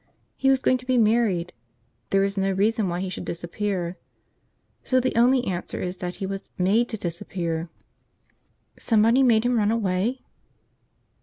He was going to be married. There was no reason why he should disappear. So the only answer is that he was made to disappear." "Somebody made him run away?"